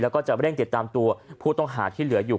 แล้วก็จะเร่งติดตามตัวผู้ต้องหาที่เหลืออยู่